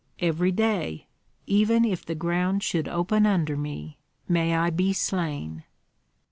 "Every day, even if the ground should open under me! May I be slain!"